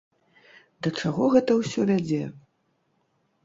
Да чаго гэта ўсё вядзе?